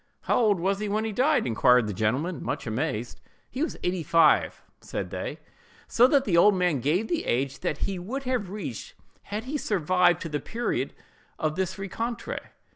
"How old was he when he died?" inquired the gentleman, much amazed. "He was eighty five," said they: so that the old man gave the age that he would have reached had he survived to the period of this rencontre.